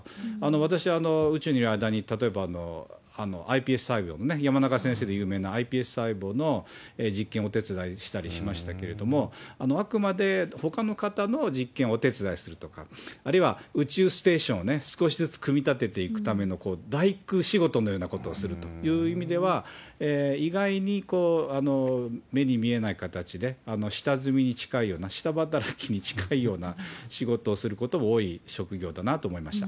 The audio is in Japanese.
私、宇宙に、例えばｉＰＳ細胞の山中先生で有名なｉＰＳ細胞の実験をお手伝いなどをしましたけれども、あくまでほかの方の実験をお手伝いするとか、あるいは宇宙ステーションを少しずつ組み立てていくための大工仕事のようなことをするという意味では、意外に目に見えない形で下積みに近いような、下働きに近いような仕事をすることが多い職業だなと思いました。